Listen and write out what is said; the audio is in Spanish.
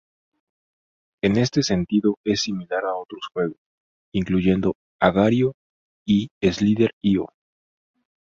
En este sentido, es similar a otros juegos, incluyendo Agar.io y slither.io